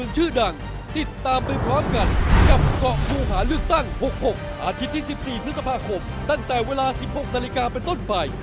ในที่๑๔พฤษภาคมตั้งแต่เวลา๑๖นาฬิกาเป็นต้นไป